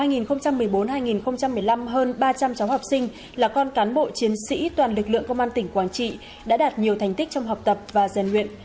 năm hai nghìn một mươi bốn hai nghìn một mươi năm hơn ba trăm linh cháu học sinh là con cán bộ chiến sĩ toàn lực lượng công an tỉnh quảng trị đã đạt nhiều thành tích trong học tập và giàn luyện